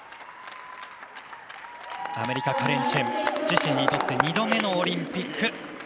アメリカ、カレン・チェン自身にとって２度目のオリンピック。